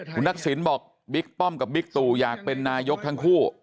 คุณทักษิณบอกบิ๊กป้อมกับบิ๊กตู่อยากเป็นนายกทั้งคู่